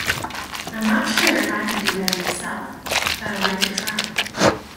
I'm not sure if I could do better myself, but I'd like to try.